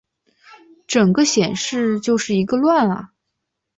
整个显示就是一个乱啊